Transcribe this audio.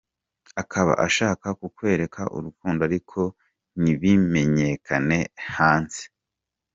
Akaba ashaka kukwereka urukundo ariko ntibimenyekane hanze.